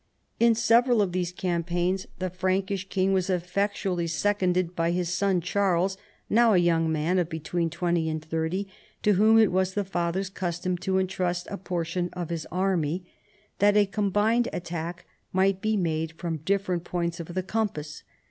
In several of these campaigns the Frankish king was effectually seconded by his son Charles, now a young man of between twenty and thirty, to whom it was the father's custom to entrust a portion of his army that a combined attack might be made from different points of the compass.